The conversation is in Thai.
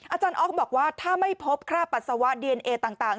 อาจารย์ออฟบอกว่าถ้าไม่พบค่าปัสสาวะดีเอนเอต่าง